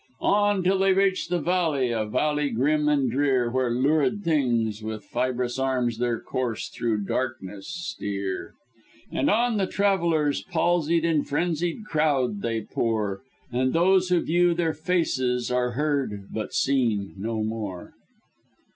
"On till they reach the valley, A valley grim and drear, Where lurid things with fibrous arms Their course through darkness steer. "And on the travellers palsied In frenzied crowd they pour. And those who view their faces, Are heard but seen no more."